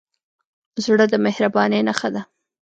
زړه د مهربانۍ نښه ده.